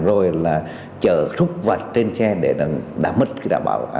rồi là chở rút vật trên xe để đảm bảo